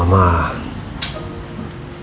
mama itu kecapean mengurusin kesya